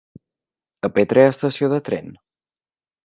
A Petra hi ha estació de tren?